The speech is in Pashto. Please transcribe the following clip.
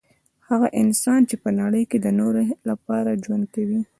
هغه انسان چي په نړۍ کي د نورو لپاره ژوند کوي